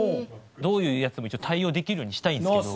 どういうやつにも対応できるようにしたいんですけど。